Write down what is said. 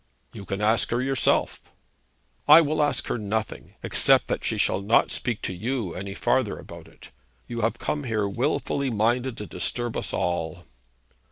'You can ask her yourself.' 'I will ask her nothing, except that she shall not speak to you any farther about it. You have come here wilfully minded to disturb us all.'